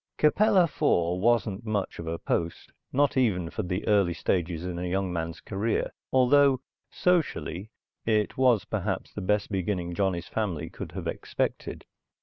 Capella IV wasn't much of a post, not even for the early stages in a young man's career, although, socially, it was perhaps the best beginning Johnny's family could have expected.